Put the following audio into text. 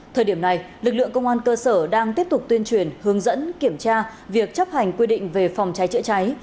thời điểm này lực lượng công an cơ sở đang tiếp tục tuyên truyền hướng dẫn kiểm tra việc chấp hành quy định về phòng cháy chữa cháy